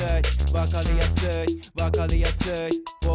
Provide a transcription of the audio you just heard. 「わかりやすいわかりやすい」